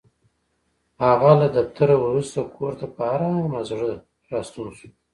هغه له دفتره وروسته کور ته په ارامه زړه راستون شو.